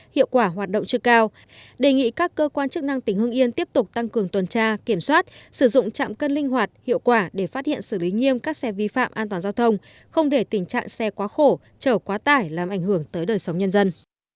hiệu quả hoạt động chưa cao đề nghị các cơ quan chức năng tỉnh hưng yên tiếp tục tăng cường tuần tra kiểm soát sử dụng trạm cân linh hoạt hiệu quả để phát hiện xử lý nghiêm các xe vi phạm an toàn giao thông không để tình trạng xe quá khổ chở quá tải làm ảnh hưởng tới đời sống nhân dân